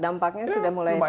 dampaknya sudah mulai terasa